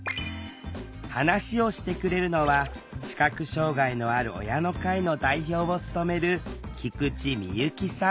話をしてくれるのは視覚障害のある親の会の代表を務める菊地美由紀さん